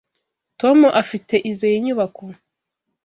Tom afite izoi nyubako.